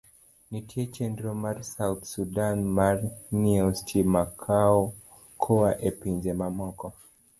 Nitie chenro mar South Sudan mar ng'iewo stima koa e pinje mamoko.